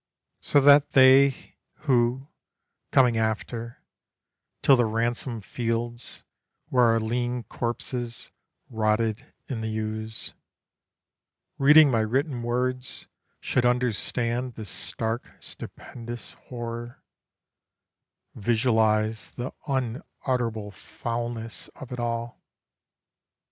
So that they Who, coming after, till the ransomed fields Where our lean corpses rotted in the ooze, Reading my written words, should understand This stark stupendous horror, visualize The unutterable foulness of it all....